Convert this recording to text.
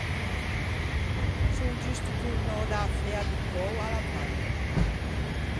Son giusto tornou da-a fea do cöo à Lavagna.